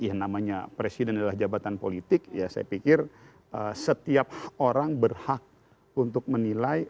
ya namanya presiden adalah jabatan politik ya saya pikir setiap orang berhak untuk menilai